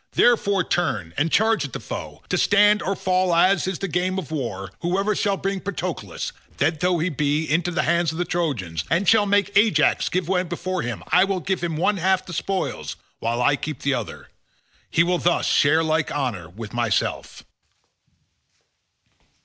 Therefore turn, and charge at the foe, to stand or fall as is the game of war; whoever shall bring Patroclus, dead though he be, into the hands of the Trojans, and shall make Ajax give way before him, I will give him one half of the spoils while I keep the other. He will thus share like honour with myself."